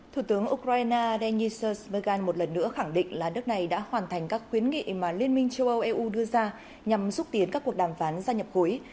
thủ tướng ukraine denis vygan một lần nữa khẳng định là nước này đã hoàn thành các khuyến nghị mà liên minh châu âu eu đưa ra nhằm giúp tiến các cuộc đàm phán gia nhập cuối